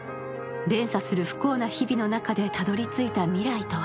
連鎖する不幸な日々の中でたどり着いた未来とは